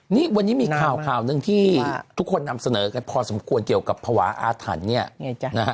นี่วันนี้มีข่าวข่าวหนึ่งที่ทุกคนนำเสนอกันพอสมควรเกี่ยวกับภาวะอาถรรพ์เนี่ยนะฮะ